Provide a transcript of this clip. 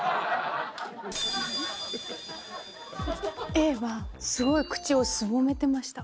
Ａはすごい口をすぼめてました。